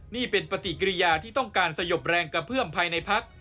นี่เป็นปฏิกิริยาที่ต้องการสยบแรงกระเพื่อมภายในพัก